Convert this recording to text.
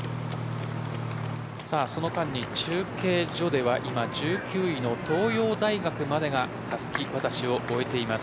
その間に中継所では１９位の東洋大学までがたすきを渡し終えています。